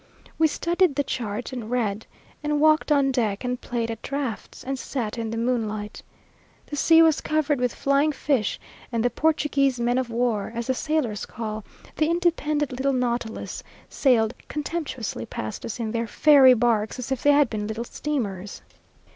We studied the chart, and read, and walked on deck, and played at drafts, and sat in the moonlight. The sea was covered with flying fish, and the "Portuguese men of war," as the sailors call the independent little nautilus, sailed contemptuously past us in their fairy barks, as if they had been little steamers.